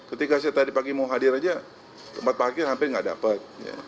ketika saya tadi pagi mau hadir saja tempat pagi hampir tidak dapat